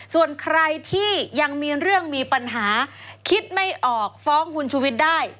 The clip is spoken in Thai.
ส่วนใครที่ยังมีเรื่องมีปัญหาคิดไม่ออกฟ้องคุณชุวิตได้